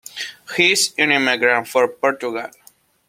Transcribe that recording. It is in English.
He's an immigrant from Portugal.